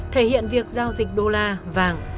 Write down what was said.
thể hiện việc giao dịch đô la vàng